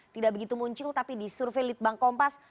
tidak begitu muncul tapi di survei litbang kompas